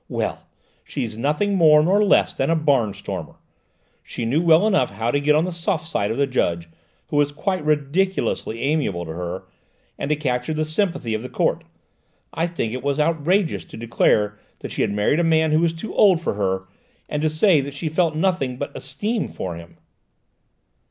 Well, she is nothing more nor less than a barnstormer! She knew well enough how to get on the soft side of the judge, who was quite ridiculously amiable to her, and to capture the sympathy of the Court. I think it was outrageous to declare that she had married a man who was too old for her, and to say that she felt nothing but esteem for him!"